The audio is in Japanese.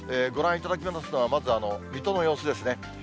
ご覧いただきますのは、まず、水戸の様子ですね。